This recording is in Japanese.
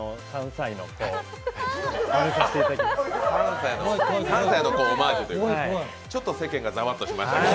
３歳の子をオマージュというちょっと世間がざわっとしましたね。